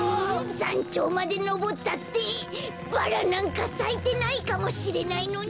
さんちょうまでのぼったってバラなんかさいてないかもしれないのに。